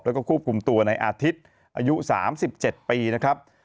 แล้วก็ควบคุมตัวในอาทิตย์อายุ๓๗ปีนะครับ